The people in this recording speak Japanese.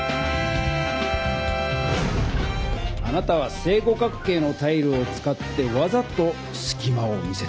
あなたは正五角形のタイルを使ってわざとすきまを見せた。